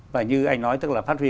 và như anh nói tức là phát huy